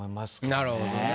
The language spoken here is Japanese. なるほどね。